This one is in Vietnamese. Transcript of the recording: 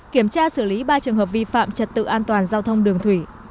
kiểm tra xử lý ba trường hợp vi phạm trật tự an toàn giao thông đường thủy